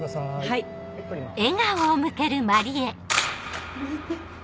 はい撮ります。